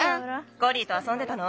コリーとあそんでたの？